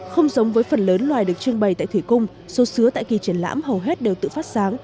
không giống với phần lớn loài được trưng bày tại thủy cung số tại kỳ triển lãm hầu hết đều tự phát sáng